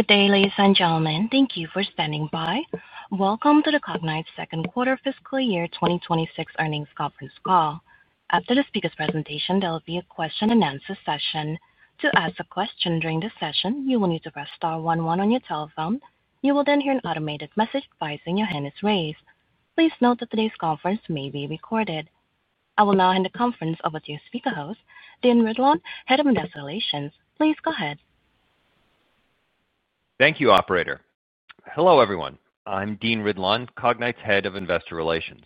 Good day, ladies and gentlemen. Thank you for standing by. Welcome to Cognyte Software Ltd.'s second quarter fiscal year 2026 earnings conference call. After the speaker's presentation, there will be a question and answer session. To ask a question during this session, you will need to press star one one on your telephone. You will then hear an automated message advising your hand is raised. Please note that today's conference may be recorded. I will now hand the conference over to your speaker host, Dean Ridlon, Head of Investor Relations. Please go ahead. Thank you, Operator. Hello, everyone. I'm Dean Ridlon, Cognyte's Head of Investor Relations.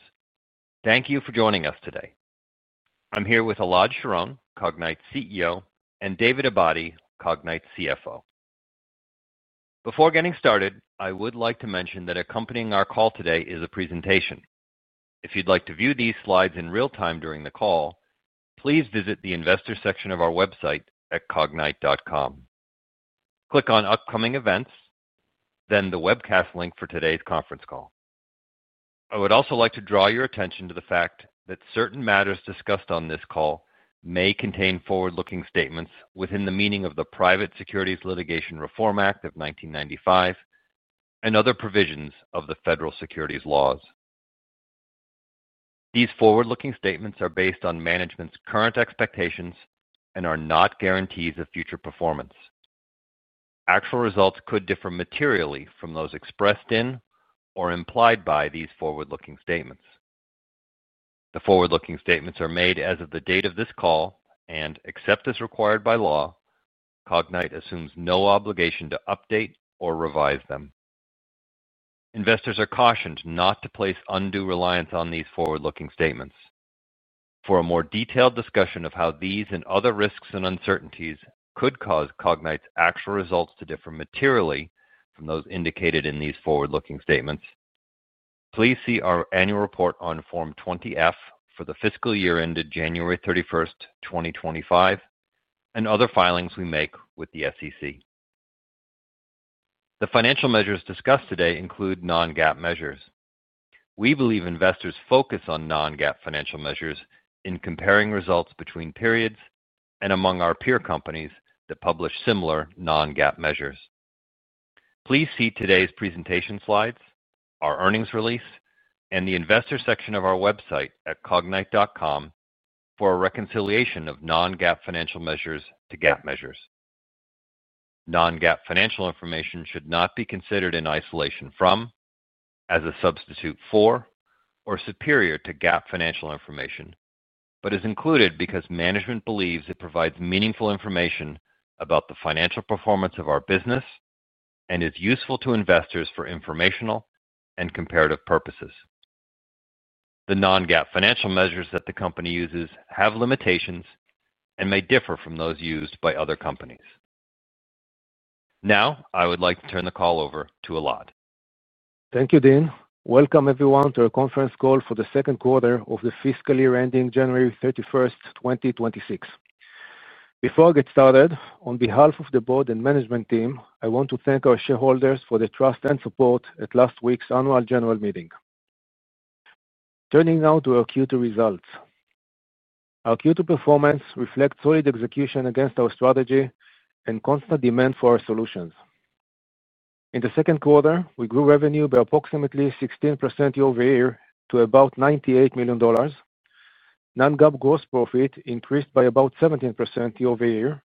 Thank you for joining us today. I'm here with Elad Sharon, Cognyte's CEO, and David Abadi, Cognyte's CFO. Before getting started, I would like to mention that accompanying our call today is a presentation. If you'd like to view these slides in real time during the call, please visit the Investor section of our website at cognyte.com. Click on "Upcoming Events," then the webcast link for today's conference call. I would also like to draw your attention to the fact that certain matters discussed on this call may contain forward-looking statements within the meaning of the Private Securities Litigation Reform Act of 1995 and other provisions of the Federal Securities Laws. These forward-looking statements are based on management's current expectations and are not guarantees of future performance. Actual results could differ materially from those expressed in or implied by these forward-looking statements. The forward-looking statements are made as of the date of this call and, except as required by law, Cognyte assumes no obligation to update or revise them. Investors are cautioned not to place undue reliance on these forward-looking statements. For a more detailed discussion of how these and other risks and uncertainties could cause Cognyte's actual results to differ materially from those indicated in these forward-looking statements, please see our annual report on Form 20-F for the fiscal year ended January 31, 2025, and other filings we make with the SEC. The financial measures discussed today include non-GAAP measures. We believe investors focus on non-GAAP financial measures in comparing results between periods and among our peer companies that publish similar non-GAAP measures. Please see today's presentation slides, our earnings release, and the Investor section of our website at cognyte.com for a reconciliation of non-GAAP financial measures to GAAP measures. Non-GAAP financial information should not be considered in isolation from, as a substitute for, or superior to GAAP financial information, but is included because management believes it provides meaningful information about the financial performance of our business and is useful to investors for informational and comparative purposes. The non-GAAP financial measures that the company uses have limitations and may differ from those used by other companies. Now, I would like to turn the call over to Elad. Thank you, Dean. Welcome, everyone, to our conference call for the second quarter of the fiscal year ending January 31, 2026. Before I get started, on behalf of the Board and management team, I want to thank our shareholders for their trust and support at last week's annual general meeting. Turning now to our Q2 results. Our Q2 performance reflects solid execution against our strategy and constant demand for our solutions. In the second quarter, we grew revenue by approximately 16% year-over-year to about $98 million. Non-GAAP gross profit increased by about 17% year-over-year.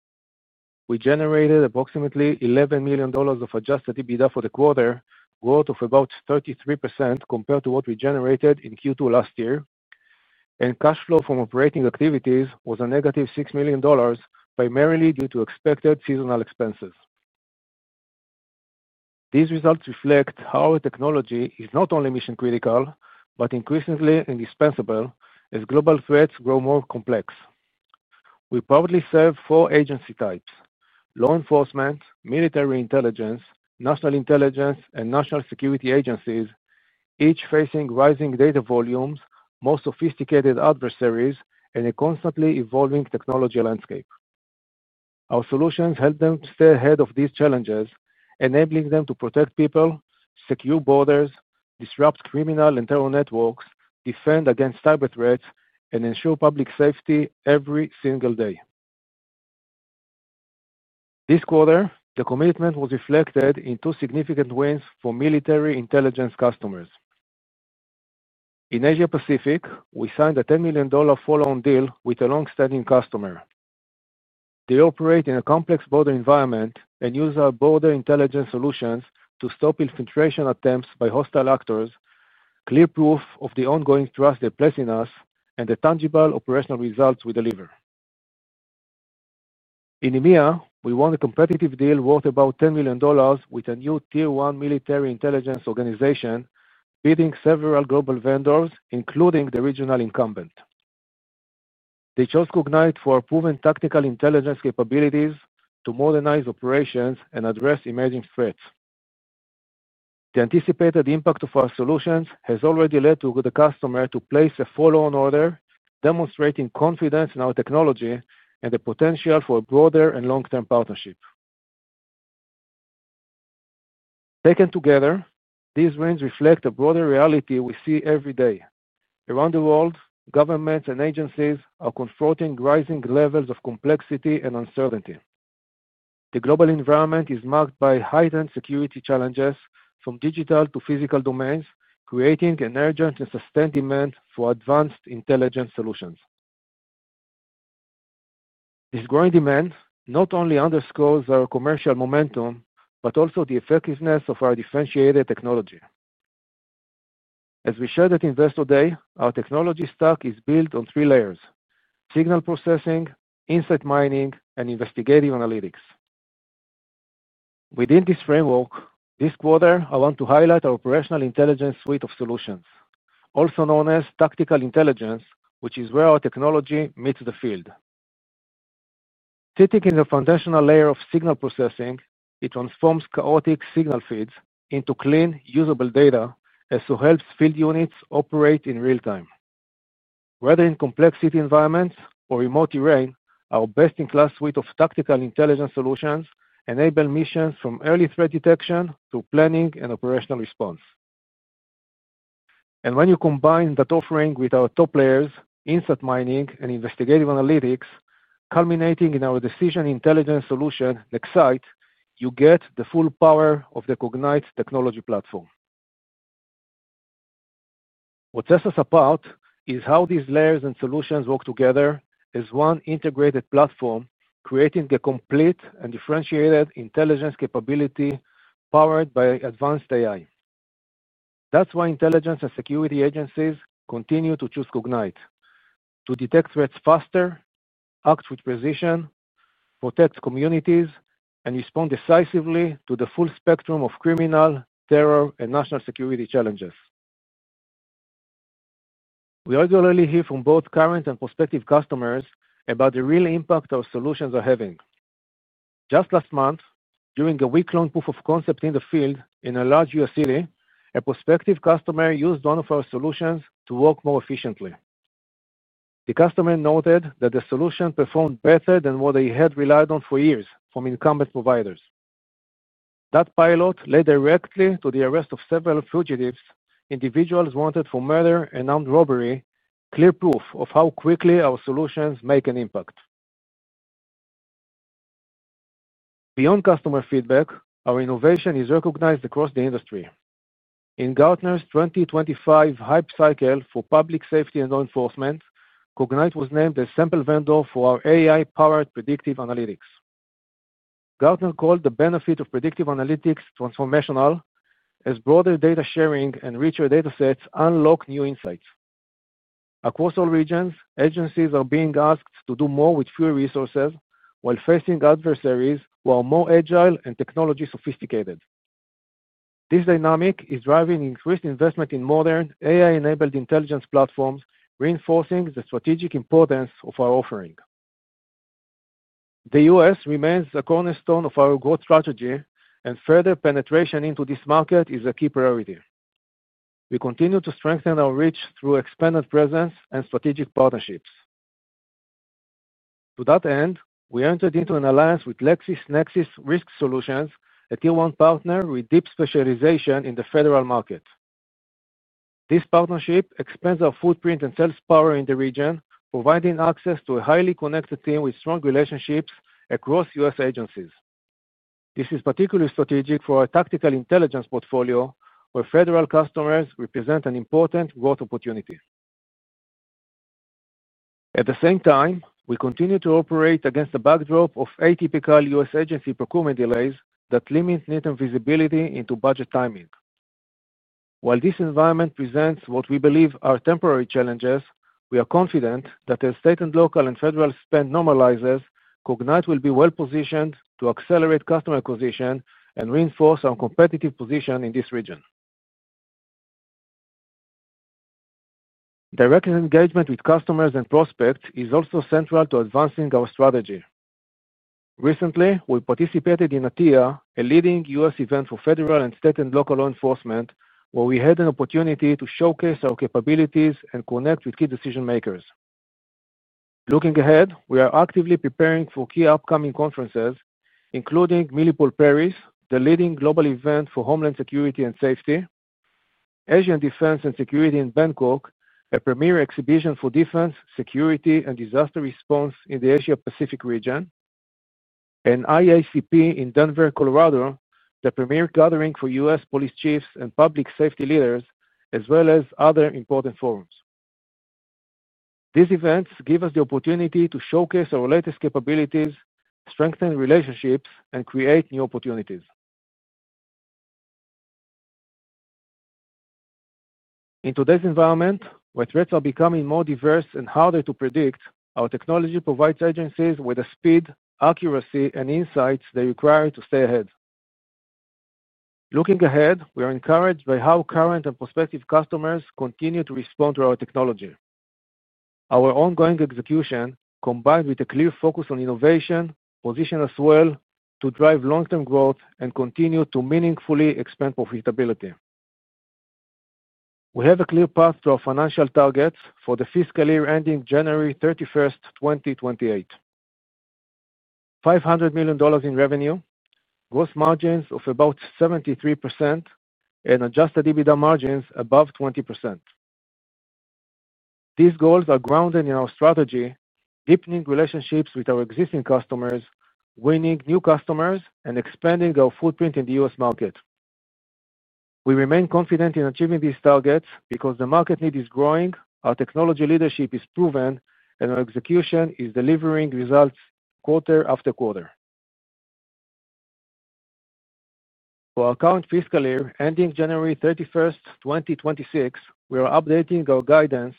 We generated approximately $11 million of adjusted EBITDA for the quarter, growth of about 33% compared to what we generated in Q2 last year, and cash flow from operating activities was a negative $6 million, primarily due to expected seasonal expenses. These results reflect how our technology is not only mission-critical but increasingly indispensable as global threats grow more complex. We proudly serve four agency types: law enforcement, military intelligence, national intelligence, and national security agencies, each facing rising data volumes, more sophisticated adversaries, and a constantly evolving technology landscape. Our solutions help them to stay ahead of these challenges, enabling them to protect people, secure borders, disrupt criminal internal networks, defend against cyber threats, and ensure public safety every single day. This quarter, the commitment was reflected in two significant wins for military intelligence customers. In Asia-Pacific, we signed a $10 million follow-on deal with a longstanding customer. They operate in a complex border environment and use our border security solutions to stop infiltration attempts by hostile actors, clear proof of the ongoing trust they place in us and the tangible operational results we deliver. In EMEA, we won a competitive deal worth about $10 million with a new Tier 1 military intelligence organization, beating several global vendors, including the regional incumbent. They chose Cognyte Software Ltd. for our proven tactical intelligence solutions to modernize operations and address emerging threats. The anticipated impact of our solutions has already led the customer to place a follow-on order, demonstrating confidence in our technology and the potential for a broader and long-term partnership. Taken together, these wins reflect the broader reality we see every day. Around the world, governments and agencies are confronting rising levels of complexity and uncertainty. The global environment is marked by heightened security challenges, from digital to physical domains, creating an urgent and sustained demand for advanced intelligence solutions. This growing demand not only underscores our commercial momentum but also the effectiveness of our differentiated technology. As we shared at Investor Day, our technology stack is built on three layers: signal processing, insight mining, and investigative analytics. Within this framework, this quarter, I want to highlight our operational intelligence suite of solutions, also known as tactical intelligence, which is where our technology meets the field. Taking in the foundational layer of signal processing, it transforms chaotic signal feeds into clean, usable data as it helps field units operate in real time. Whether in complex city environments or remote terrain, our best-in-class suite of tactical intelligence solutions enables missions from early threat detection to planning and operational response. When you combine that offering with our top layers: insight mining and investigative analytics, culminating in our decision intelligence solution, Nexite, you get the full power of the Cognyte technology platform. What sets us apart is how these layers and solutions work together as one integrated platform, creating a complete and differentiated intelligence capability powered by advanced AI. That is why intelligence and security agencies continue to choose Cognyte: to detect threats faster, act with precision, protect communities, and respond decisively to the full spectrum of criminal, terror, and national security challenges. We regularly hear from both current and prospective customers about the real impact our solutions are having. Just last month, during a week-long proof-of-concept in the field in a large U.S. city, a prospective customer used one of our solutions to work more efficiently. The customer noted that the solution performed better than what they had relied on for years from incumbent providers. That pilot led directly to the arrest of several fugitives, individuals wanted for murder and armed robbery, clear proof of how quickly our solutions make an impact. Beyond customer feedback, our innovation is recognized across the industry. In Gartner's 2025 hype cycle for public safety and law enforcement, Cognyte was named a sample vendor for our AI-powered predictive analytics. Gartner called the benefit of predictive analytics transformational, as broader data sharing and richer datasets unlock new insights. Across all regions, agencies are being asked to do more with fewer resources while facing adversaries who are more agile and technology-sophisticated. This dynamic is driving increased investment in modern AI-enabled intelligence platforms, reinforcing the strategic importance of our offering. The U.S. remains a cornerstone of our growth strategy, and further penetration into this market is a key priority. We continue to strengthen our reach through expanded presence and strategic partnerships. To that end, we entered into an alliance with LexisNexis Risk Solutions, a Tier 1 partner with deep specialization in the federal market. This partnership expands our footprint and sales power in the region, providing access to a highly connected team with strong relationships across U.S. agencies. This is particularly strategic for our tactical intelligence portfolio, where federal customers represent an important growth opportunity. At the same time, we continue to operate against the backdrop of atypical U.S. agency procurement delays that limit NAITM visibility into budget timing. While this environment presents what we believe are temporary challenges, we are confident that as state and local and federal spend normalizes, Cognyte will be well-positioned to accelerate customer acquisition and reinforce our competitive position in this region. Direct engagement with customers and prospects is also central to advancing our strategy. Recently, we participated in ATIA, a leading U.S. event for federal and state and local law enforcement, where we had an opportunity to showcase our capabilities and connect with key decision-makers. Looking ahead, we are actively preparing for key upcoming conferences, including MILIPOL Paris, the leading global event for Homeland Security and Safety, Asian Defense and Security in Bangkok, a premier exhibition for defense, security, and disaster response in the Asia-Pacific region, and IACP in Denver, Colorado, the premier gathering for U.S. police chiefs and public safety leaders, as well as other important forums. These events give us the opportunity to showcase our latest capabilities, strengthen relationships, and create new opportunities. In today's environment, where threats are becoming more diverse and harder to predict, our technology provides agencies with the speed, accuracy, and insights they require to stay ahead. Looking ahead, we are encouraged by how current and prospective customers continue to respond to our technology. Our ongoing execution, combined with a clear focus on innovation, positions us well to drive long-term growth and continue to meaningfully expand profitability. We have a clear path to our financial targets for the fiscal year ending January 31, 2028: $500 million in revenue, gross margins of about 73%, and adjusted EBITDA margins above 20%. These goals are grounded in our strategy, deepening relationships with our existing customers, winning new customers, and expanding our footprint in the U.S. market. We remain confident in achieving these targets because the market need is growing, our technology leadership is proven, and our execution is delivering results quarter after quarter. For our current fiscal year ending January 31, 2026, we are updating our guidance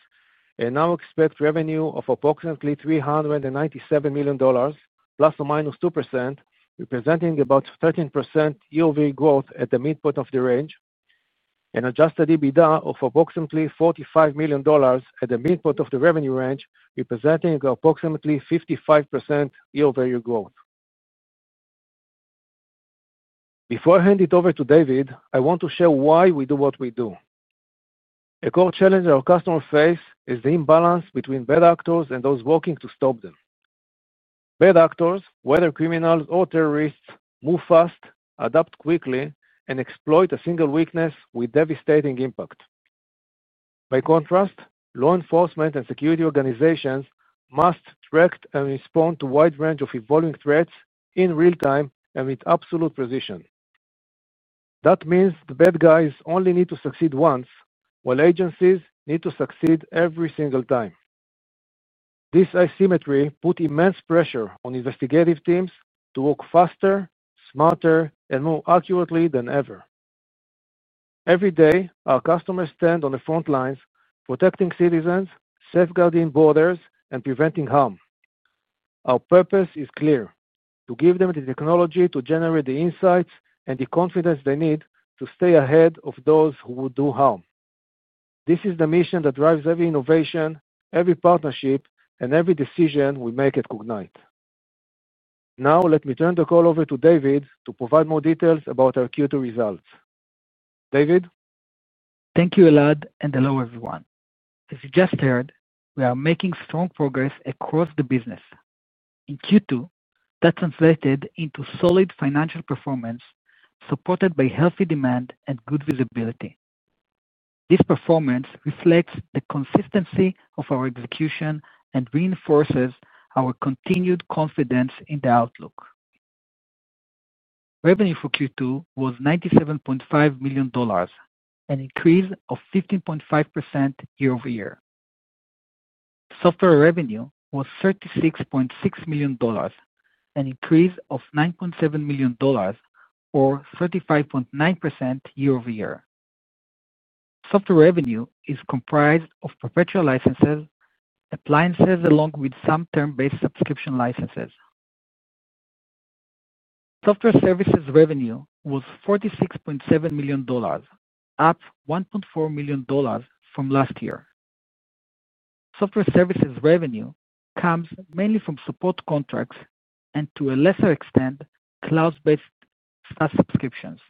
and now expect revenue of approximately $397 million, plus or minus 2%, representing about 13% year-over-year growth at the midpoint of the range, and adjusted EBITDA of approximately $45 million at the midpoint of the revenue range, representing approximately 55% year-over-year growth. Before I hand it over to David, I want to share why we do what we do. A core challenge our customers face is the imbalance between bad actors and those working to stop them. Bad actors, whether criminals or terrorists, move fast, adapt quickly, and exploit a single weakness with devastating impact. By contrast, law enforcement and security organizations must track and respond to a wide range of evolving threats in real time and with absolute precision. That means the bad guys only need to succeed once, while agencies need to succeed every single time. This asymmetry puts immense pressure on investigative teams to work faster, smarter, and more accurately than ever. Every day, our customers stand on the front lines, protecting citizens, safeguarding borders, and preventing harm. Our purpose is clear: to give them the technology to generate the insights and the confidence they need to stay ahead of those who would do harm. This is the mission that drives every innovation, every partnership, and every decision we make at Cognyte. Now, let me turn the call over to David to provide more details about our Q2 results. David? Thank you, Elad, and hello, everyone. As you just heard, we are making strong progress across the business. In Q2, that translated into solid financial performance supported by healthy demand and good visibility. This performance reflects the consistency of our execution and reinforces our continued confidence in the outlook. Revenue for Q2 was $97.5 million, an increase of 15.5% year-over-year. Software revenue was $36.6 million, an increase of $9.7 million, or 35.9% year-over-year. Software revenue is comprised of perpetual licenses, appliances, along with some term-based subscription licenses. Software services revenue was $46.7 million, up $1.4 million from last year. Software services revenue comes mainly from support contracts and, to a lesser extent, cloud-based SaaS subscriptions.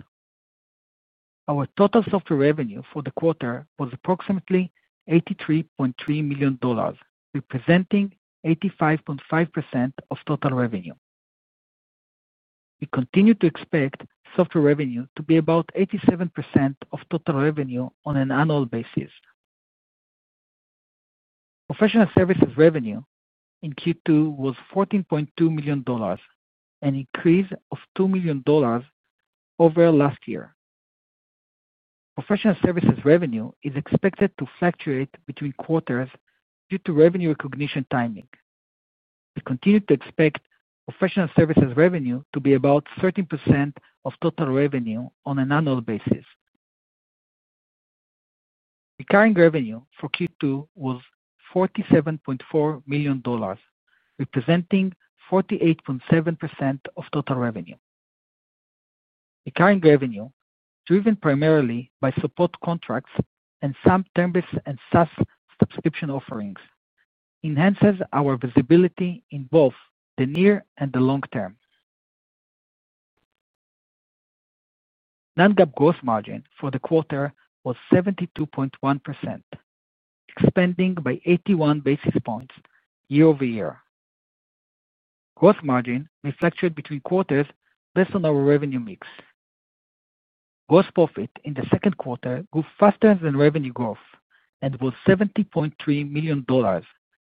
Our total software revenue for the quarter was approximately $83.3 million, representing 85.5% of total revenue. We continue to expect software revenue to be about 87% of total revenue on an annual basis. Professional services revenue in Q2 was $14.2 million, an increase of $2 million over last year. Professional services revenue is expected to fluctuate between quarters due to revenue recognition timing. We continue to expect professional services revenue to be about 13% of total revenue on an annual basis. Recurring revenue for Q2 was $47.4 million, representing 48.7% of total revenue. Recurring revenue, driven primarily by support contracts and some term-based and SaaS subscription offerings, enhances our visibility in both the near and the long term. Non-GAAP gross margin for the quarter was 72.1%, expanding by 81 basis points year-over-year. Gross margin may fluctuate between quarters based on our revenue mix. Gross profit in the second quarter grew faster than revenue growth and was $70.3 million,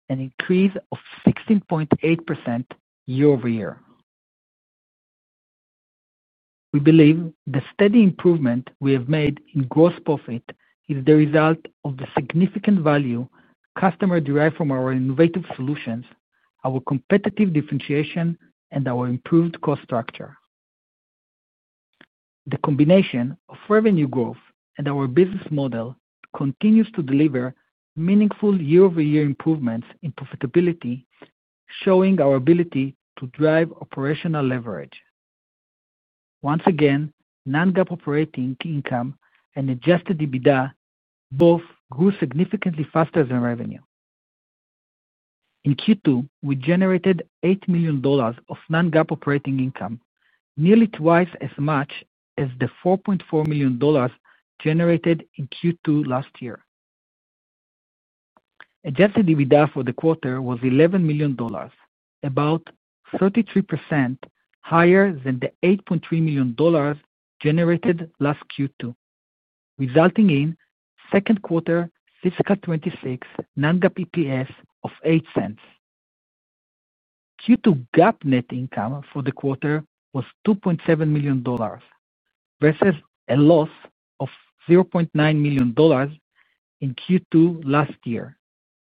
an increase of 16.8% year-over-year. We believe the steady improvement we have made in gross profit is the result of the significant value customers derive from our innovative solutions, our competitive differentiation, and our improved cost structure. The combination of revenue growth and our business model continues to deliver meaningful year-over-year improvements in profitability, showing our ability to drive operational leverage. Once again, non-GAAP operating income and adjusted EBITDA both grew significantly faster than revenue. In Q2, we generated $8 million of non-GAAP operating income, nearly twice as much as the $4.4 million generated in Q2 last year. Adjusted EBITDA for the quarter was $11 million, about 33% higher than the $8.3 million generated last Q2, resulting in second quarter fiscal 2026 non-GAAP EPS of $0.08. Q2 GAAP net income for the quarter was $2.7 million versus a loss of $0.9 million in Q2 last year,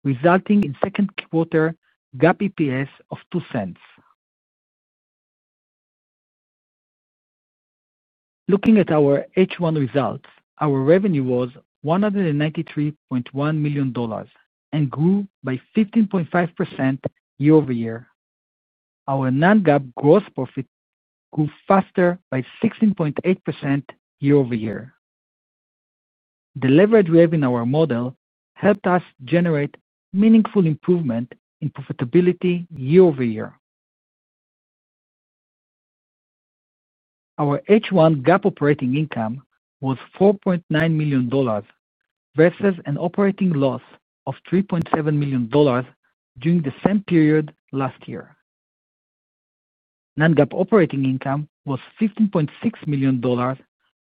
resulting in second quarter GAAP EPS of $0.02. Looking at our H1 results, our revenue was $193.1 million and grew by 15.5% year-over-year. Our non-GAAP gross profit grew faster by 16.8% year-over-year. The leverage we have in our model helped us generate meaningful improvement in profitability year-over-year. Our H1 GAAP operating income was $4.9 million versus an operating loss of $3.7 million during the same period last year. Non-GAAP operating income was $15.6 million,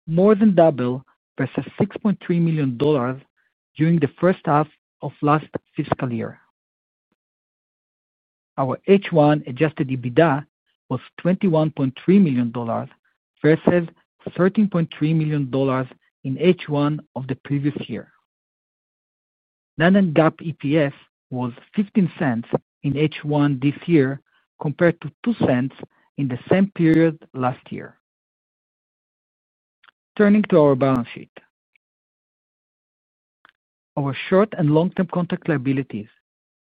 more than double versus $6.3 million during the first half of last fiscal year. Our H1 adjusted EBITDA was $21.3 million versus $13.3 million in H1 of the previous year. Non-GAAP EPS was $0.15 in H1 this year compared to $0.02 in the same period last year. Turning to our balance sheet, our short and long-term contract liabilities,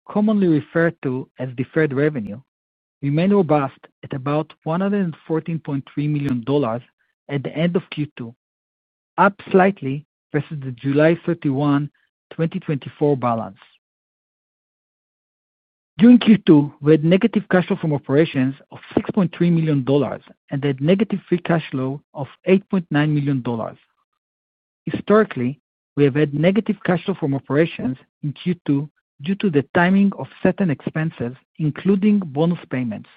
commonly referred to as deferred revenue, remained robust at about $114.3 million at the end of Q2, up slightly versus the July 31, 2024 balance. During Q2, we had negative cash flow from operations of $6.3 million and a negative free cash flow of $8.9 million. Historically, we have had negative cash flow from operations in Q2 due to the timing of certain expenses, including bonus payments.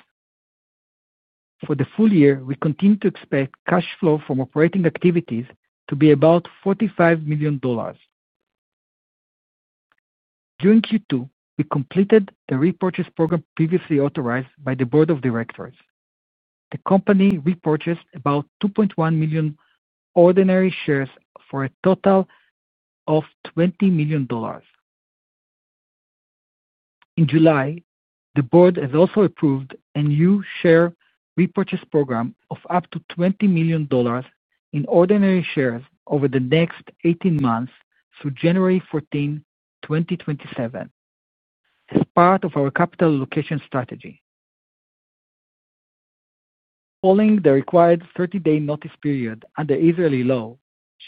For the full year, we continue to expect cash flow from operating activities to be about $45 million. During Q2, we completed the repurchase program previously authorized by the Board of Directors. The company repurchased about 2.1 million ordinary shares for a total of $20 million. In July, the Board has also approved a new share repurchase program of up to $20 million in ordinary shares over the next 18 months through January 14, 2027, as part of our capital allocation strategy. Following the required 30-day notice period under Israeli law,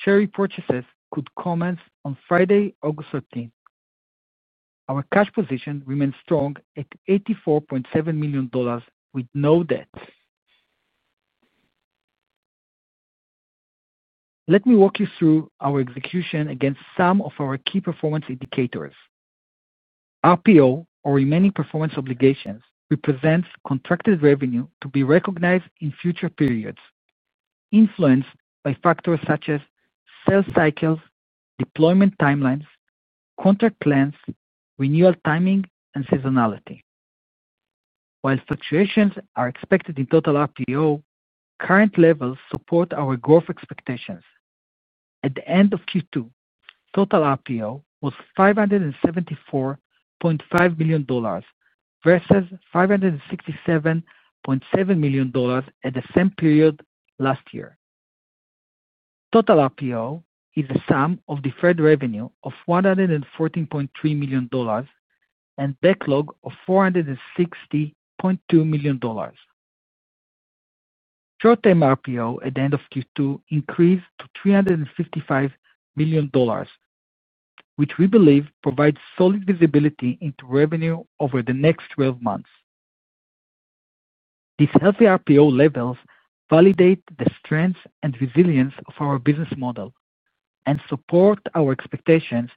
share repurchases could commence on Friday, August 13. Our cash position remains strong at $84.7 million with no debt. Let me walk you through our execution against some of our key performance indicators. RPO, or remaining performance obligations, represents contracted revenue to be recognized in future periods, influenced by factors such as sales cycles, deployment timelines, contract plans, renewal timing, and seasonality. While fluctuations are expected in total RPO, current levels support our growth expectations. At the end of Q2, total RPO was $574.5 million versus $567.7 million at the same period last year. Total RPO is a sum of deferred revenue of $114.3 million and backlog of $460.2 million. Short-term RPO at the end of Q2 increased to $355 million, which we believe provides solid visibility into revenue over the next 12 months. These healthy RPO levels validate the strength and resilience of our business model and support our expectations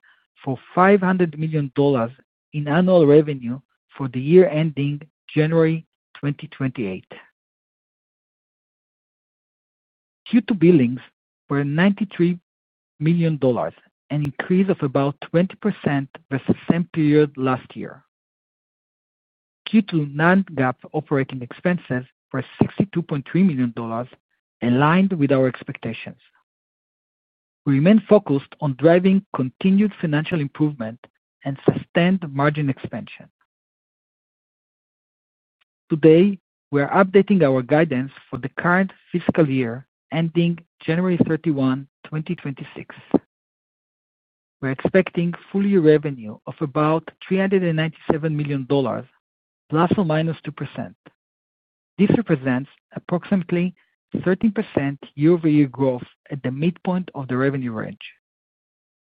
for $500 million in annual revenue for the year ending January 2028. Q2 billings were $93 million, an increase of about 20% versus the same period last year. Q2 non-GAAP operating expenses were $62.3 million and aligned with our expectations. We remain focused on driving continued financial improvement and sustained margin expansion. Today, we are updating our guidance for the current fiscal year ending January 31, 2026. We're expecting full-year revenue of about $397 million, plus or minus 2%. This represents approximately 13% year-over-year growth at the midpoint of the revenue range.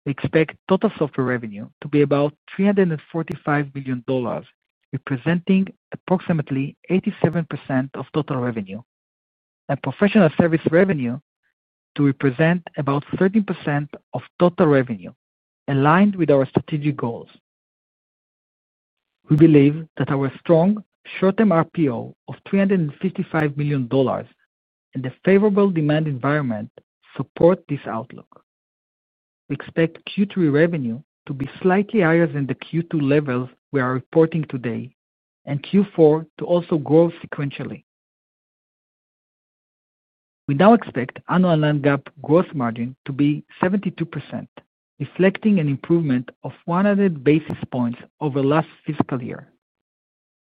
We expect total software revenue to be about $345 million, representing approximately 87% of total revenue, and professional service revenue to represent about 13% of total revenue, aligned with our strategic goals. We believe that our strong short-term RPO of $355 million and the favorable demand environment support this outlook. We expect Q3 revenue to be slightly higher than the Q2 levels we are reporting today, and Q4 to also grow sequentially. We now expect annual non-GAAP gross margin to be 72%, reflecting an improvement of 100 basis points over last fiscal year.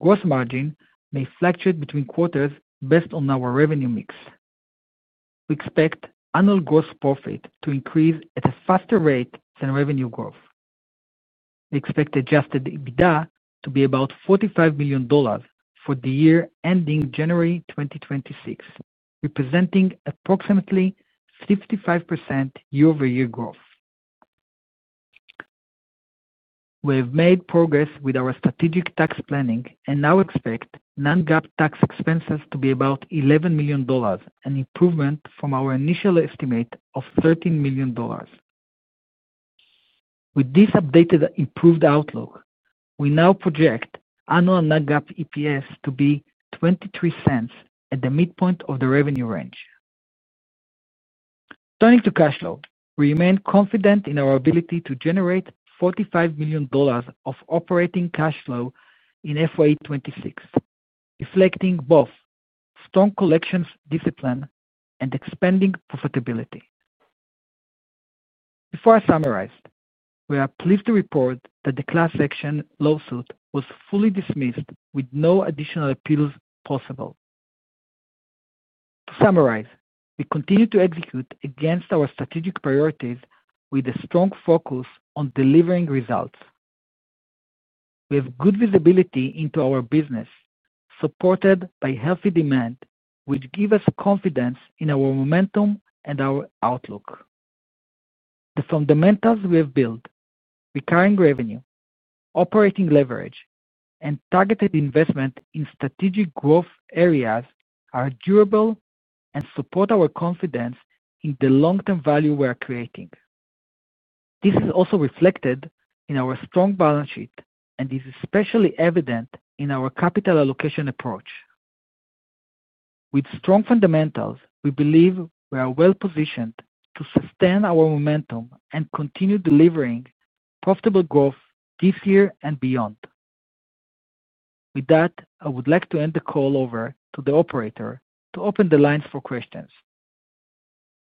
Gross margin may fluctuate between quarters based on our revenue mix. We expect annual gross profit to increase at a faster rate than revenue growth. We expect adjusted EBITDA to be about $45 million for the year ending January 2026, representing approximately 55% year-over-year growth. We have made progress with our strategic tax planning and now expect non-GAAP tax expenses to be about $11 million, an improvement from our initial estimate of $13 million. With this updated and improved outlook, we now project annual non-GAAP EPS to be $0.23 at the midpoint of the revenue range. Turning to cash flow, we remain confident in our ability to generate $45 million of operating cash flow in FY26, reflecting both strong collections discipline and expanding profitability. Before I summarize, we are pleased to report that the class action lawsuit was fully dismissed with no additional appeals possible. To summarize, we continue to execute against our strategic priorities with a strong focus on delivering results. We have good visibility into our business, supported by healthy demand, which gives us confidence in our momentum and our outlook. The fundamentals we have built: recurring revenue, operating leverage, and targeted investment in strategic growth areas are durable and support our confidence in the long-term value we are creating. This is also reflected in our strong balance sheet and is especially evident in our capital allocation approach. With strong fundamentals, we believe we are well-positioned to sustain our momentum and continue delivering profitable growth this year and beyond. With that, I would like to hand the call over to the Operator to open the lines for questions.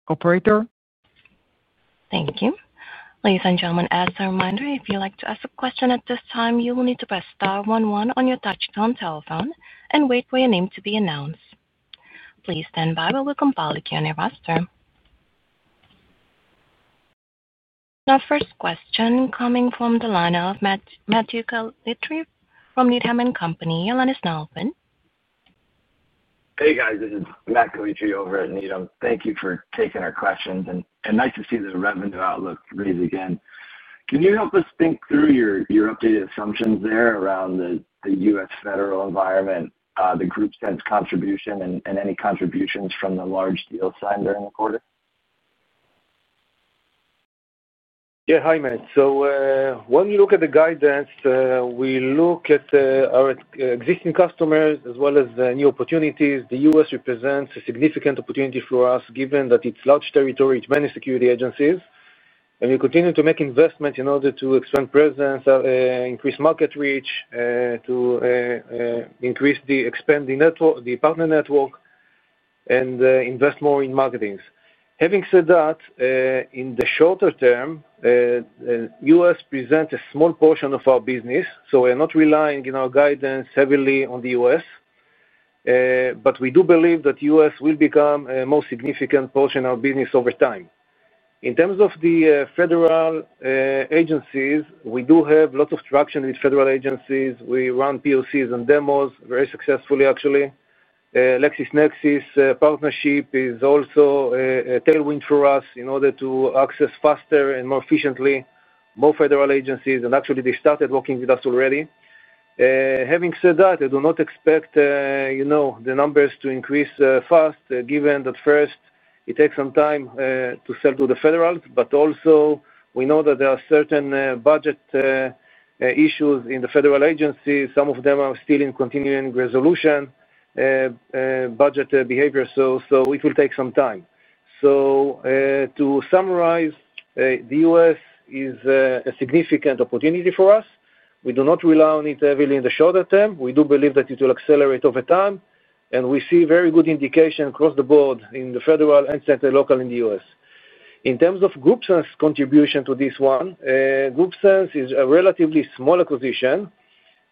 Operator? Thank you. Ladies and gentlemen, as a reminder, if you would like to ask a question at this time, you will need to press star one one on your touch-tone telephone and wait for your name to be announced. Please stand by while we compile the Q&A roster. Now, first question coming from the line of Matthew Kalitri from Needham, you'll understand open. Hey, guys. This is Matt Kalitri over at Needham. Thank you for taking our questions, and nice to see the revenue outlook raised again. Can you help us think through your updated assumptions there around the U.S. federal environment, the group's contribution, and any contributions from the large deal signed during the quarter? Yeah, hi, Matt. When you look at the guidance, we look at our existing customers as well as the new opportunities. The U.S. represents a significant opportunity for us, given that it's a large territory with many security agencies. We continue to make investments in order to expand presence, increase market reach, expand the partner network, and invest more in marketing. Having said that, in the shorter term, the U.S. presents a small portion of our business, so we are not relying in our guidance heavily on the U.S. We do believe that the U.S. will become a more significant portion of our business over time. In terms of the federal agencies, we do have lots of traction with federal agencies. We run POCs and demos very successfully, actually. The LexisNexis Risk Solutions partnership is also a tailwind for us in order to access faster and more efficiently both federal agencies, and actually, they started working with us already. I do not expect the numbers to increase fast, given that first, it takes some time to sell to the federals, but also, we know that there are certain budget issues in the federal agencies. Some of them are still in continuing resolution budget behaviors, so it will take some time. To summarize, the U.S. is a significant opportunity for us. We do not rely on it heavily in the shorter term. We do believe that it will accelerate over time, and we see very good indication across the board in the federal and state and local in the U.S. In terms of GroupSense contribution to this one, GroupSense is a relatively small acquisition.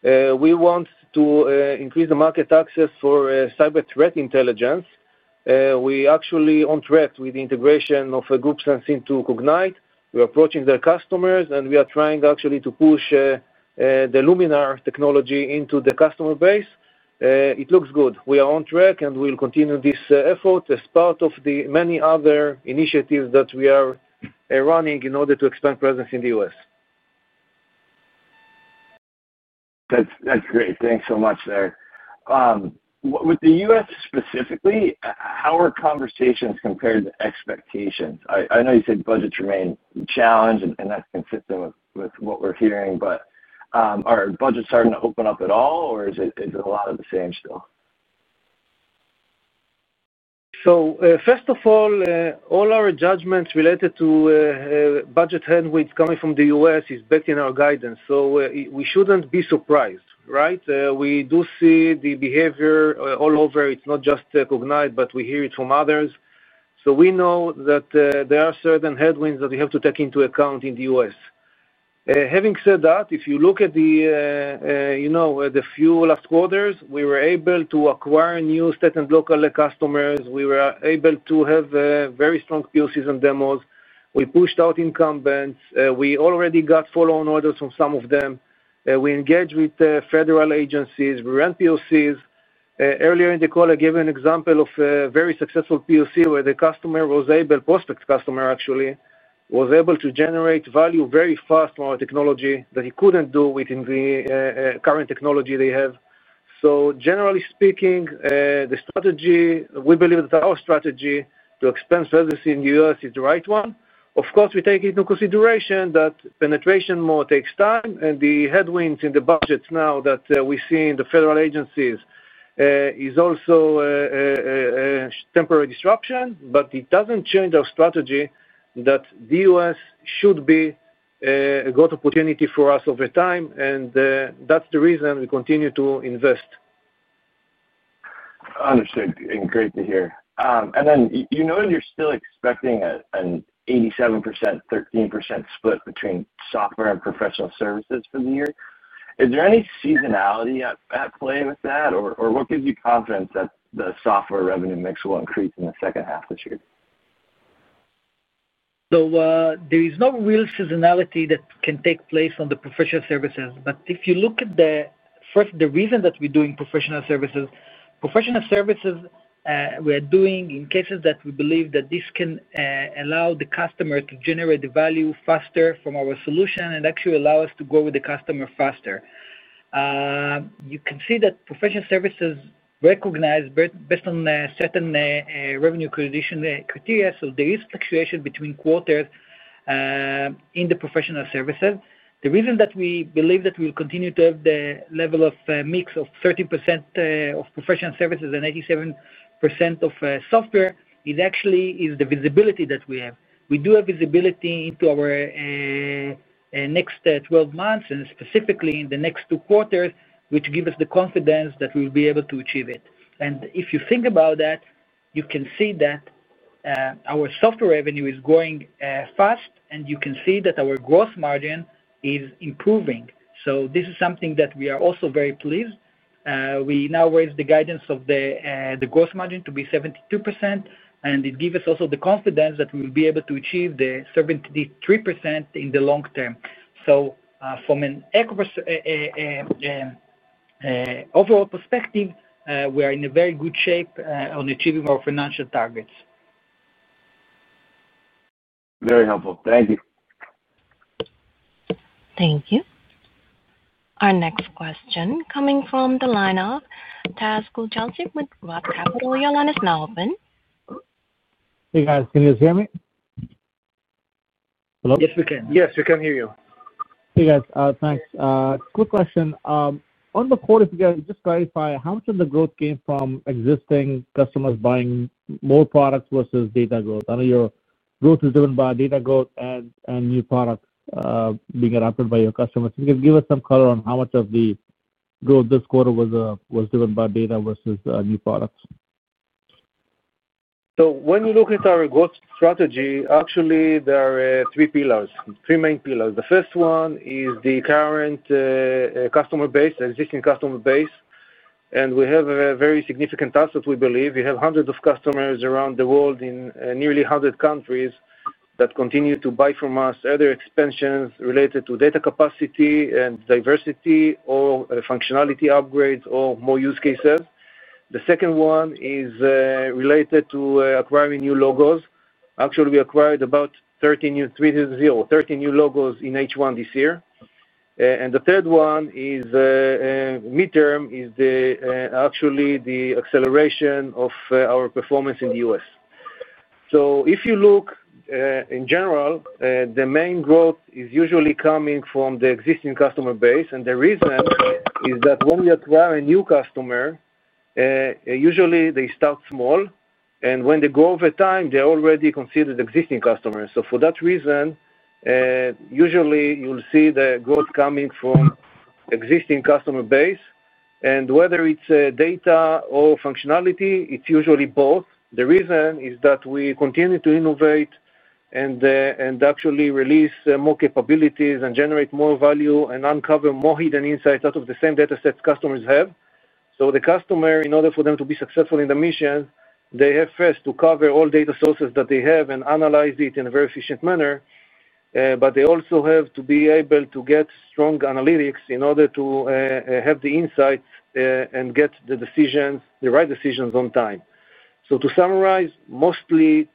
We want to increase the market access for cyber threat intelligence. We actually are on track with the integration of GroupSense into Cognyte Software Ltd. We are approaching their customers, and we are trying actually to push the Luminar technology into the customer base. It looks good. We are on track, and we will continue this effort as part of the many other initiatives that we are running in order to expand presence in the U.S. That's great. Thanks so much there. With the U.S. specifically, how are conversations compared to expectations? I know you said budgets remain a challenge, and that's consistent with what we're hearing. Are budgets starting to open up at all, or is it a lot of the same still? First of all, all our judgments related to budget headwinds coming from the U.S. are based on our guidance, so we shouldn't be surprised, right? We do see the behavior all over. It's not just Cognyte, but we hear it from others. We know that there are certain headwinds that we have to take into account in the U.S. Having said that, if you look at the few last quarters, we were able to acquire new state and local customers. We were able to have very strong POCs and demos. We pushed out incumbents. We already got follow-on orders from some of them. We engaged with federal agencies. We ran POCs. Earlier in the call, I gave an example of a very successful POC where the customer was able, a prospect customer actually, was able to generate value very fast from our technology that he couldn't do within the current technology they have. Generally speaking, we believe that our strategy to expand presence in the U.S. is the right one. Of course, we take into consideration that penetration mode takes time, and the headwinds in the budgets now that we see in the federal agencies are also temporary disruptions, but it doesn't change our strategy that the U.S. should be a growth opportunity for us over time, and that's the reason we continue to invest. Understood. Great to hear. You're still expecting an 87%, 13% split between software and professional services for the year. Is there any seasonality at play with that, or what gives you confidence that the software revenue mix will increase in the second half this year? There is no real seasonality that can take place on the professional services, but if you look at the first, the reason that we're doing professional services, professional services we are doing in cases that we believe that this can allow the customer to generate the value faster from our solution and actually allow us to grow with the customer faster. You can see that professional services recognize based on certain revenue accreditation criteria, so there is fluctuation between quarters in the professional services. The reason that we believe that we will continue to have the level of mix of 30% of professional services and 87% of software is actually the visibility that we have. We do have visibility into our next 12 months and specifically in the next two quarters, which gives us the confidence that we will be able to achieve it. If you think about that, you can see that our software revenue is growing fast, and you can see that our gross margin is improving. This is something that we are also very pleased. We now raised the guidance of the gross margin to be 72%, and it gives us also the confidence that we will be able to achieve the 73% in the long term. From an overall perspective, we are in a very good shape on achieving our financial targets. Very helpful. Thank you. Thank you. Our next question coming from the line of Joshua Husk with Evercore. Have all your lines now open. Hey, guys. Can you hear me? Hello? Yes, we can. Yes, we can hear you. Hey, guys. Thanks. Quick question. On the quarters together, just clarify how much of the growth came from existing customers buying more products versus data growth. I know your growth is driven by data growth and new products being adopted by your customers. Can you give us some color on how much of the growth this quarter was driven by data versus new products? When you look at our growth strategy, actually, there are three pillars, three main pillars. The first one is the current customer base, the existing customer base, and we have a very significant task that we believe. We have hundreds of customers around the world in nearly 100 countries that continue to buy from us, either expansions related to data capacity and diversity, functionality upgrades, or more use cases. The second one is related to acquiring new logos. Actually, we acquired about 30 new logos in H1 this year. The third one is midterm, actually the acceleration of our performance in the U.S. In general, the main growth is usually coming from the existing customer base, and the reason is that when you acquire a new customer, usually they start small, and when they grow over time, they're already considered existing customers. For that reason, usually you'll see the growth coming from the existing customer base. Whether it's data or functionality, it's usually both. The reason is that we continue to innovate and actually release more capabilities and generate more value and uncover more hidden insights out of the same data sets customers have. The customer, in order for them to be successful in the mission, they have first to cover all data sources that they have and analyze it in a very efficient manner. They also have to be able to get strong analytics in order to have the insights and get the decisions, the right decisions on time. To summarize, mostly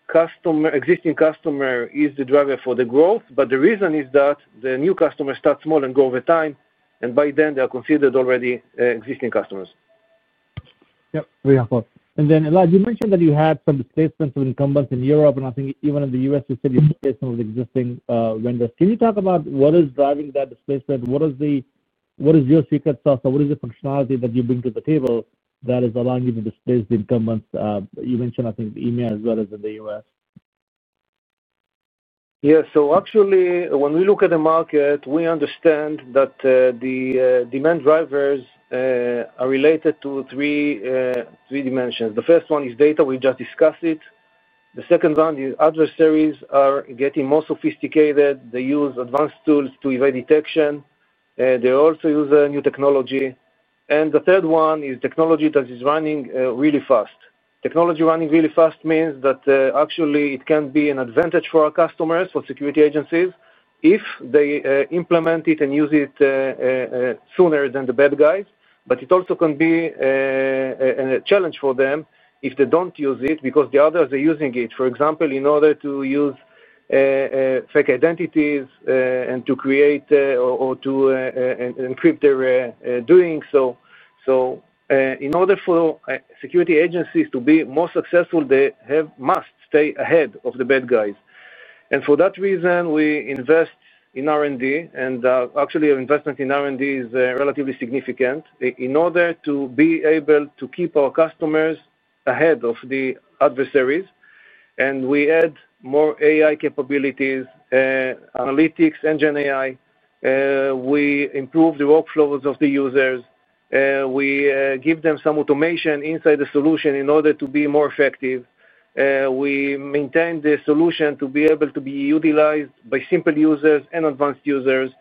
existing customers are the driver for the growth, but the reason is that the new customers start small and grow over time, and by then they are considered already existing customers. Yep, very helpful. Elad, you mentioned that you had some displacement of incumbents in Europe, and I think even in the US, you said you displaced some of the existing vendors. Can you talk about what is driving that displacement? What is your secret sauce or what is the functionality that you bring to the table that is allowing you to displace the incumbents? You mentioned, I think, in EMEA as well as in the US. Yeah, so actually, when we look at the market, we understand that the demand drivers are related to three dimensions. The first one is data. We just discussed it. The second one, the adversaries are getting more sophisticated. They use advanced tools to evade detection. They also use new technology. The third one is technology that is running really fast. Technology running really fast means that actually it can be an advantage for our customers, for security agencies, if they implement it and use it sooner than the bad guys. It also can be a challenge for them if they don't use it because the others are using it. For example, in order to use fake identities and to create or to encrypt their doing. In order for security agencies to be more successful, they must stay ahead of the bad guys. For that reason, we invest in R&D, and actually, our investment in R&D is relatively significant in order to be able to keep our customers ahead of the adversaries. We add more AI capabilities, analytics, and GenAI. We improve the workflows of the users. We give them some automation inside the solution in order to be more effective. We maintain the solution to be able to be utilized by simple users and advanced users.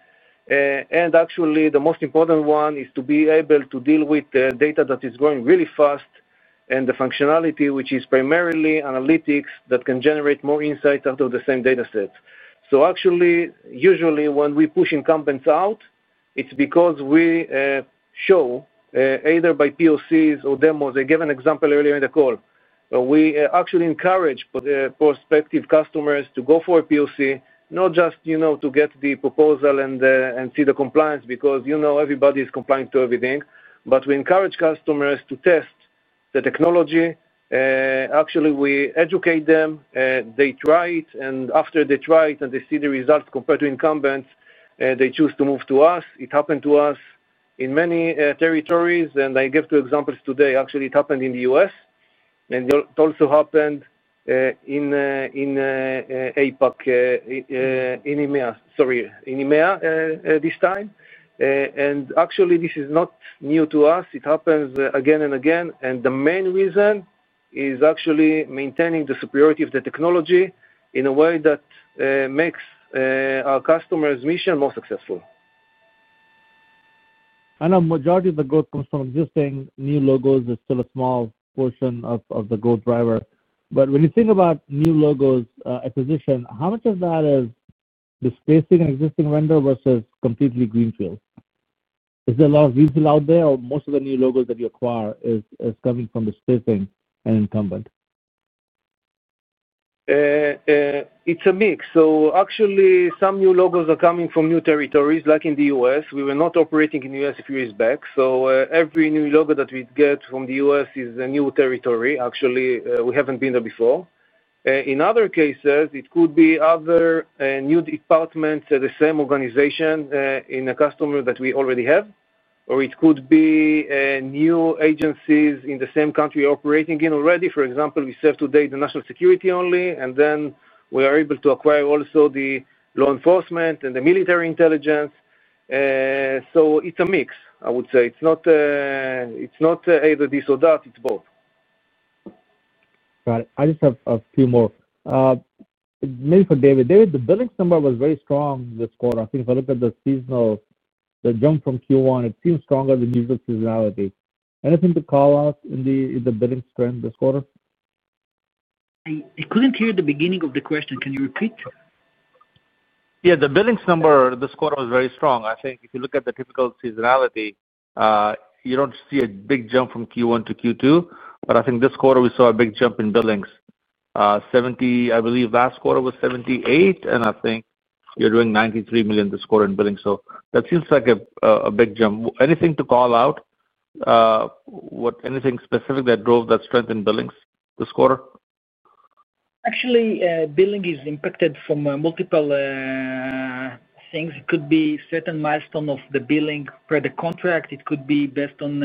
Actually, the most important one is to be able to deal with data that is growing really fast and the functionality, which is primarily analytics that can generate more insights out of the same data set. Usually when we push incumbents out, it's because we show either by POCs or demos. I gave an example earlier in the call. We actually encourage prospective customers to go for a POC, not just to get the proposal and see the compliance because everybody is compliant to everything. We encourage customers to test the technology. Actually, we educate them. They try it, and after they try it and they see the results compared to incumbents, they choose to move to us. It happened to us in many territories, and I gave two examples today. It happened in the U.S., and it also happened in EMEA this time. Actually, this is not new to us. It happens again and again, and the main reason is actually maintaining the superiority of the technology in a way that makes our customers' mission more successful. Ana, the majority of the growth comes from existing new logos. It's still a small portion of the growth driver. When you think about new logos acquisition, how much of that is displacing an existing vendor versus completely greenfield? Is there a lot of greenfield out there, or most of the new logos that you acquire are coming from displacing an incumbent? It's a mix. Actually, some new logos are coming from new territories, like in the U.S. We were not operating in the U.S. a few years back, so every new logo that we get from the U.S. is a new territory. Actually, we haven't been there before. In other cases, it could be other new departments at the same organization in a customer that we already have, or it could be new agencies in the same country we're operating in already. For example, we serve today the national security only, and then we are able to acquire also the law enforcement and the military intelligence. It's a mix, I would say. It's not either this or that. It's both. Got it. I just have a few more. Maybe for David. David, the billing summary was very strong this quarter. I think if I look at the seasonal jump from Q1, it seems stronger than usual seasonality. Anything to call out in the billing strength this quarter? I couldn't hear the beginning of the question. Can you repeat? Yeah, the billing summary this quarter was very strong. I think if you look at the typical seasonality, you don't see a big jump from Q1 to Q2, but I think this quarter we saw a big jump in billings. I believe last quarter was $78 million, and I think you're doing $93 million this quarter in billings. That seems like a big jump. Anything to call out? Anything specific that drove that strength in billings this quarter? Actually, billing is impacted from multiple things. It could be certain milestones of the billing per the contract. It could be based on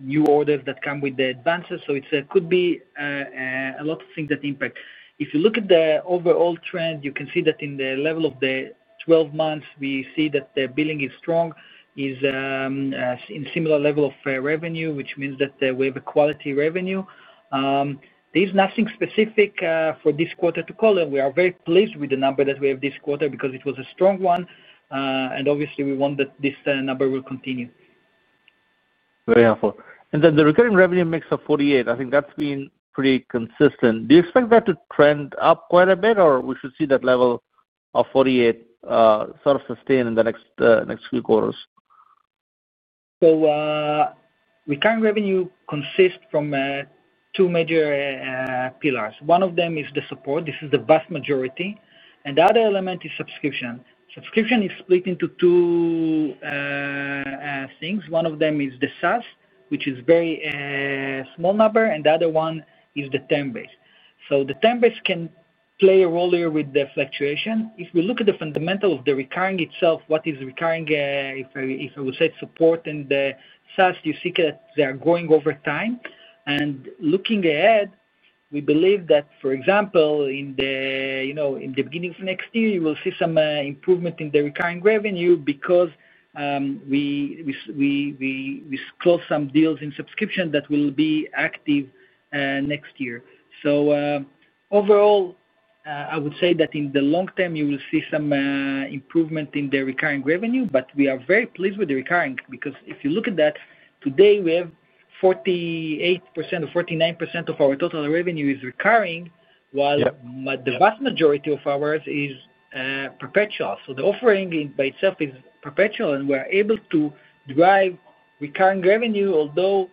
new orders that come with the advances. It could be a lot of things that impact. If you look at the overall trend, you can see that in the level of the 12 months, we see that the billing is strong, is in a similar level of revenue, which means that we have a quality revenue. There is nothing specific for this quarter to call. We are very pleased with the number that we have this quarter because it was a strong one, and obviously, we want that this number will continue. Very helpful. The recurring revenue mix of 48%. I think that's been pretty consistent. Do you expect that to trend up quite a bit, or should we see that level of 48% sort of sustained in the next few quarters? Recurring revenue consists of two major pillars. One of them is the support, which is the vast majority. The other element is subscription. Subscription is split into two things. One of them is the SaaS, which is a very small number, and the other one is the term-based. The term-based can play a role here with the fluctuation. If we look at the fundamental of the recurring itself, what is recurring? If I say support and SaaS, do you see that they are growing over time? Looking ahead, we believe that, for example, in the beginning of next year, you will see some improvement in the recurring revenue because we closed some deals in subscription that will be active next year. Overall, I would say that in the long term, you will see some improvement in the recurring revenue, but we are very pleased with the recurring because if you look at that, today we have 48% or 49% of our total revenue is recurring, while the vast majority of ours is perpetual. The offering by itself is perpetual, and we are able to drive recurring revenue, although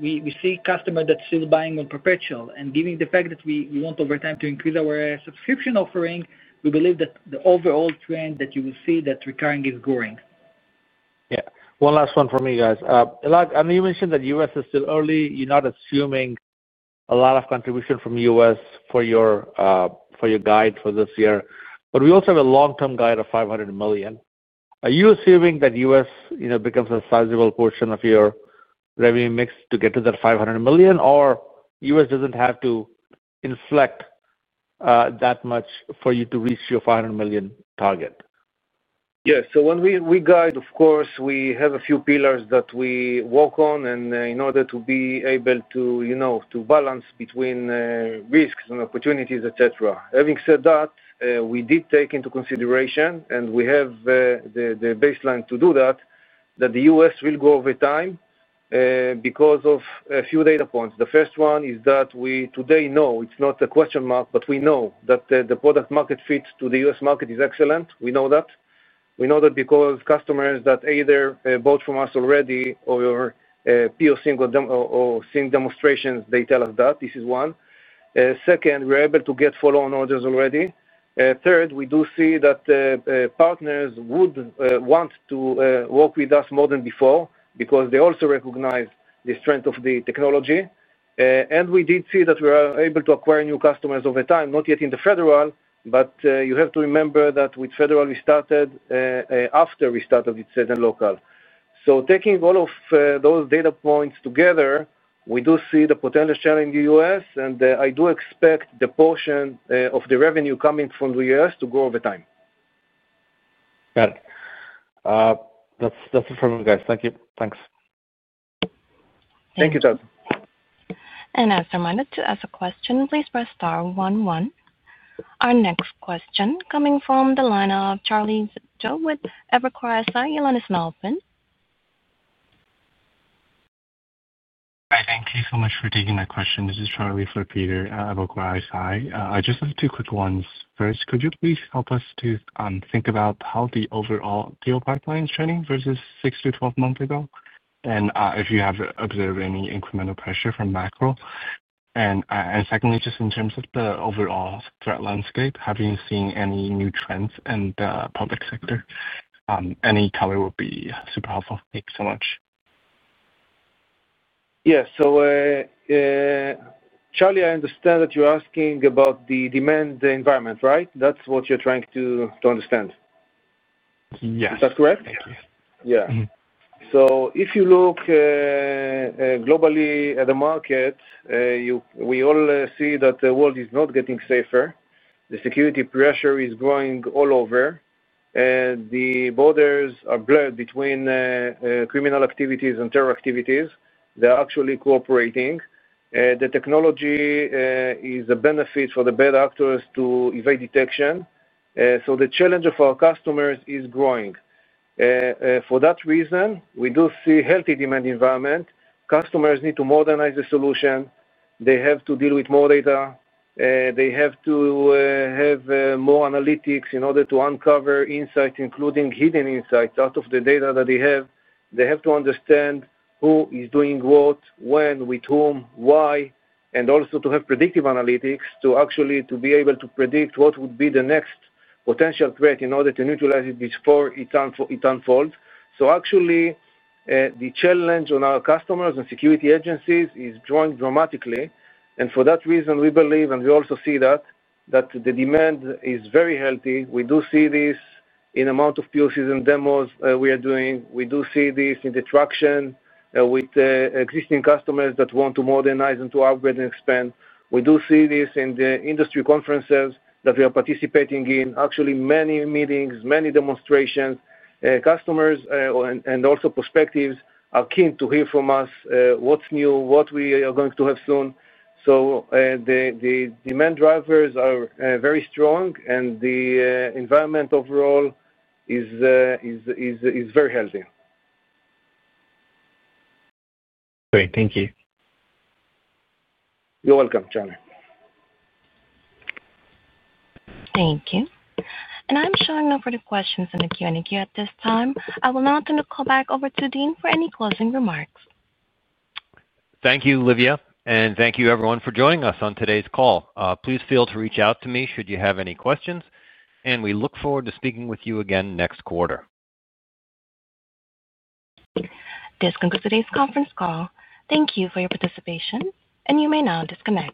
we see customers that are still buying on perpetual. Given the fact that we want over time to increase our subscription offering, we believe that the overall trend that you will see is that recurring is growing. Yeah. One last one from you guys. Elad, I know you mentioned that the U.S. is still early. You're not assuming a lot of contribution from the U.S. for your guide for this year, but we also have a long-term guide of $500 million. Are you assuming that the U.S. becomes a sizable portion of your revenue mix to get to that $500 million, or the U.S. doesn't have to inflect that much for you to reach your $500 million target? Yeah, so when we guide, of course, we have a few pillars that we work on in order to be able to balance between risks and opportunities, et cetera. Having said that, we did take into consideration, and we have the baseline to do that, that the U.S. will grow over time because of a few data points. The first one is that we today know, it's not a question mark, but we know that the product-market fit to the U.S. market is excellent. We know that. We know that because customers that either bought from us already or POCing or seeing demonstrations, they tell us that. This is one. Second, we're able to get follow-on orders already. Third, we do see that partners would want to work with us more than before because they also recognize the strength of the technology. We did see that we are able to acquire new customers over time, not yet in the federal, but you have to remember that with federal, we started after we started with state and local. Taking all of those data points together, we do see the potential challenge in the U.S., and I do expect the portion of the revenue coming from the U.S. to grow over time. Got it. That's it from you guys. Thank you. Thanks. Thank you, Todd. As a reminder, to ask a question, please press star one one. Our next question coming from the line of Charlie Zhou with Evercore. You'll understand, open. Hi, thank you so much for taking that question. This is Charlie for Peter Levine. I just have two quick ones. First, could you please help us to think about how the overall deal pipeline is turning versus six to twelve months ago? If you have observed any incremental pressure from macro, and secondly, just in terms of the overall threat landscape, have you seen any new trends in the public sector? Any color would be super helpful. Thank you so much. Charlie, I understand that you're asking about the demand environment, right? That's what you're trying to understand. Yes. Is that correct? Yeah. If you look globally at the market, we all see that the world is not getting safer. The security pressure is growing all over. The borders are blurred between criminal activities and terror activities. They're actually cooperating. The technology is a benefit for the bad actors to evade detection. The challenge of our customers is growing. For that reason, we do see a healthy demand environment. Customers need to modernize the solution. They have to deal with more data. They have to have more analytics in order to uncover insights, including hidden insights out of the data that they have. They have to understand who is doing what, when, with whom, why, and also to have predictive analytics to actually be able to predict what would be the next potential threat in order to neutralize it before it unfolds. The challenge on our customers and security agencies is growing dramatically. For that reason, we believe, and we also see that, that the demand is very healthy. We do see this in the amount of POCs and demos we are doing. We do see this in the traction with existing customers that want to modernize and to upgrade and expand. We do see this in the industry conferences that we are participating in. Many meetings, many demonstrations, customers, and also prospectives are keen to hear from us what's new, what we are going to have soon. The demand drivers are very strong, and the environment overall is very healthy. Great. Thank you. You're welcome, Charlie. Thank you. I'm showing no further questions in the Q&A queue at this time. I will now turn the call back over to Dean for any closing remarks. Thank you, Livia, and thank you everyone for joining us on today's call. Please feel free to reach out to me should you have any questions, and we look forward to speaking with you again next quarter. This concludes today's conference call. Thank you for your participation, and you may now disconnect.